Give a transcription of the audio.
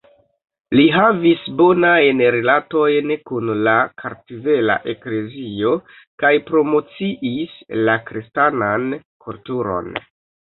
Li havis bonajn rilatojn kun la Kartvela Eklezio kaj promociis la kristanan kulturon.